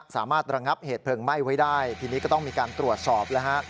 ระงับเหตุเพลิงไหม้ไว้ได้ทีนี้ก็ต้องมีการตรวจสอบแล้วฮะ